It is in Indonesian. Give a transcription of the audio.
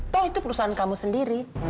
toh itu perusahaan kamu sendiri